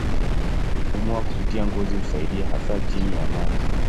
Kupumua kupitia ngozi husaidia hasa chini ya maji.